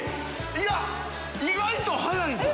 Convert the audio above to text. いや意外と速いぞ。